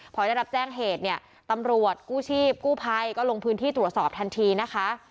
พอได้รับแจ้งเหตุเนี่ยตำรวจกู้ชีพกู้ภัยก็ลงพื้นที่ตรวจสอบทันทีนะคะ